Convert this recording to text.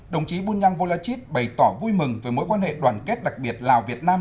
đồng chí bunyang volachit bày tỏ vui mừng về mối quan hệ đoàn kết đặc biệt lào việt nam